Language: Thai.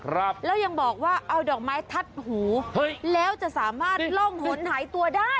ครับแล้วยังบอกว่าเอาดอกไม้ทัดหูเฮ้ยแล้วจะสามารถล่องหนหายตัวได้